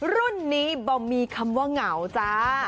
รุ่นนี้บ่มีคำว่าเหงาจ้า